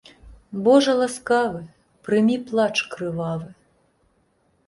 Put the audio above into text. Божа ласкавы, прымі плач крывавы.